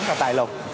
và tài lục